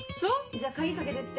じゃ鍵かけてって。